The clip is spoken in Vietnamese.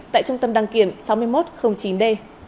tại trung tâm đăng kiểm sáu nghìn một trăm linh chín d